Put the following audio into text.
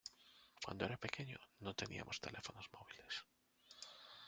Cuando era pequeño no teníamos teléfonos móviles.